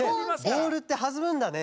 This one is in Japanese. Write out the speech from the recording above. ボールってはずむんだね。